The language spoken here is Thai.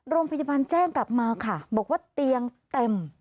โรงพยาบาลแจ้งกลับมาค่ะบอกว่าเตียงเต็ม